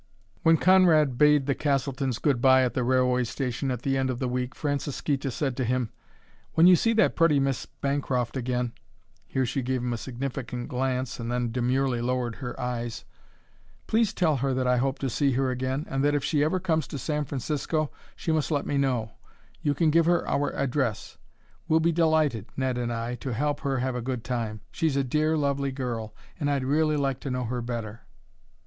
When Conrad bade the Castletons good bye at the railway station at the end of the week, Francisquita said to him: "When you see that pretty Miss Bancroft again " here she gave him a significant glance and then demurely lowered her eyes "please tell her that I hope to see her again, and that if she ever comes to San Francisco she must let me know you can give her our address. We'd be delighted, Ned and I, to help her have a good time. She's a dear, lovely girl and I'd really like to know her better."